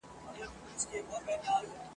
نن دي بیا اوږدو نکلونو ته زړه کیږي !.